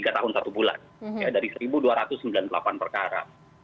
tiga tahun satu bulan dari satu dua ratus sembilan puluh delapan perkara